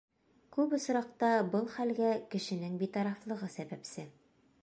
Күп осраҡта был хәлгә кешенең битарафлығы сәбәпсе.